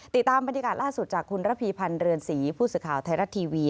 ติดตามบรรยากาศล่าสุดจากคุณระพีพันธ์เรือนศรีผู้สื่อข่าวไทยรัฐทีวี